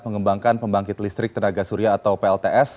mengembangkan pembangkit listrik tenaga surya atau plts